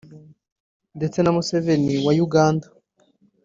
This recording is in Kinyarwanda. ndetse na Museveni wa Uganda